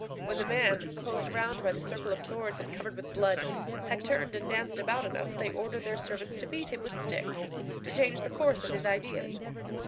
When the man, closed round by the circle of swords and covered with blood, had turned and danced about enough, they ordered their servants to beat him with sticks, to change the course of his ideas.